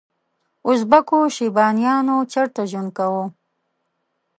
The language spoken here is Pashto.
ازبکو شیبانیانو چیرته ژوند کاوه؟